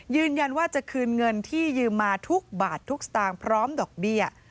ยืนยันว่าจะคืนเงินที่ยืมมาทุกบาททุกสตางค์พร้อมดอกเบี้ย